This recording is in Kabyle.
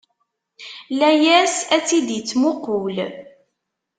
Layes ad tt-id-ittemuqul.